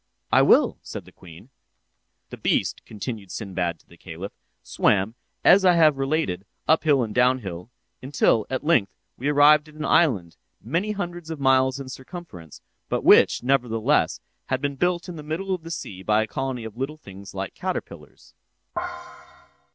"I will," said the queen. "'The beast,' continued Sinbad to the caliph, 'swam, as I have related, up hill and down hill until, at length, we arrived at an island, many hundreds of miles in circumference, but which, nevertheless, had been built in the middle of the sea by a colony of little things like caterpillars.